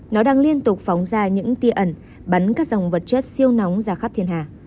nó đang liên tục phóng ra những tia ẩn bắn các dòng vật chất siêu nóng ra khắp thiên hạ